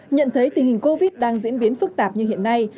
nhận thấy tình hình covid đang diễn biến phức tạp như hiện nay